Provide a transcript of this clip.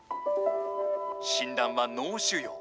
診断は脳腫瘍。